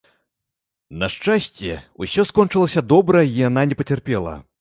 На шчасце, усё скончылася добра і яна не пацярпела.